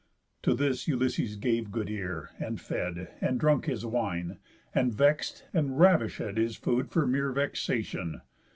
To this Ulysses gave good ear, and fed, And drunk his wine, and vex'd, and ravishéd His food for mere vexation.